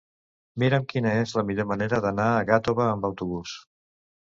Mira'm quina és la millor manera d'anar a Gàtova amb autobús.